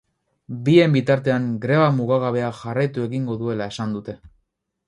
Bien bitartean, greba mugagabeak jarraitu egingo duela esan dute.